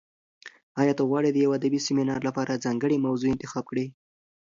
ایا ته غواړې د یو ادبي سیمینار لپاره ځانګړې موضوع انتخاب کړې؟